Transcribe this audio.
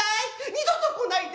「二度と来ないで！